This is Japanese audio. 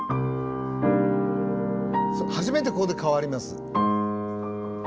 初めてここで変わります。